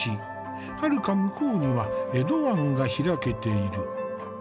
はるか向こうには江戸湾が開けている。